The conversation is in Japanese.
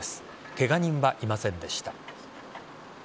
ケガ人はいませんでした。